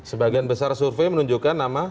sebagian besar survei menunjukkan nama